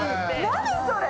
何それ！